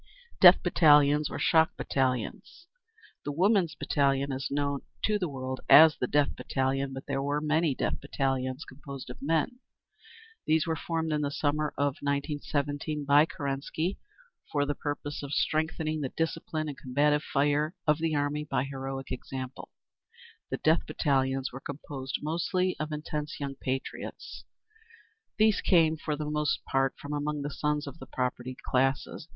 Death Battalions. Or Shock Battalions. The Women's Battalion is known to the world as the Death Battalion, but there were many Death Battalions composed of men. These were formed in the summer of 1917 by Kerensky, for the purpose of strengthening the discipline and combative fire of the army by heroic example. The Death Battalions were composed mostly of intense young patriots. These came for the most part from among the sons of the propertied classes.